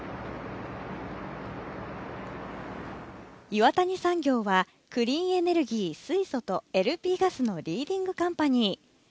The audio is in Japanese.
岩谷産業はクリーンエネルギー、水素とＬＰガスのリーディングカンパニー。